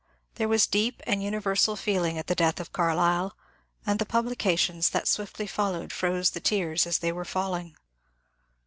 There was deep and uni yersal feeling at the death of Carlyle, and the publications that swiftly followed froze the tears as they were falling.